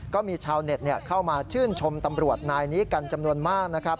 ก็มีชาวเน็ตเข้ามาชื่นชมตำรวจนายนี้กันจำนวนมากนะครับ